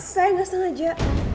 saya gak sengaja